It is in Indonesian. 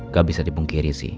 gak bisa dipungkiri sih